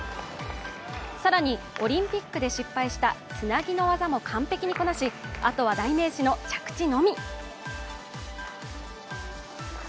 更に、オリンピックで失敗したつなぎの技も完璧にこなしあとは代名詞の着地のみ。